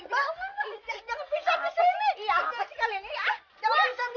jangan pisah disini